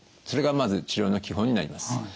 それがまず治療の基本になります。